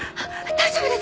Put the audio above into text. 大丈夫ですか！？